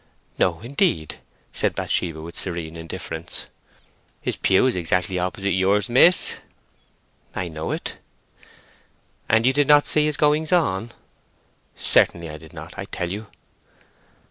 "No, indeed," said Bathsheba, with serene indifference. "His pew is exactly opposite yours, miss." "I know it." "And you did not see his goings on!" "Certainly I did not, I tell you."